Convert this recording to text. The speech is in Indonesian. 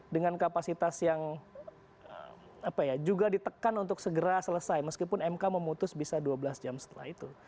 dengan kapasitas yang juga ditekan untuk segera selesai meskipun mk memutus bisa dua belas jam setelah itu